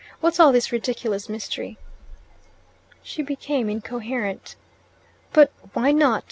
What's all this ridiculous mystery?" She became incoherent. "But WHY not?